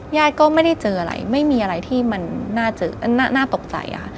ญาติก็ไม่ได้เจออะไรไม่มีอะไรที่มันน่าตกใจค่ะ